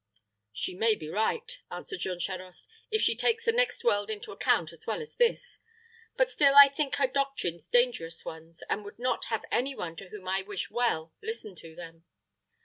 "She may be right," answered Jean Charost, "if she takes the next world into account as well as this. But still I think her doctrines dangerous ones, and would not have any one to whom I wish well listen to them."